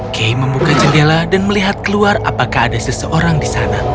kay membuka jendela dan melihat keluar apakah ada seseorang di sana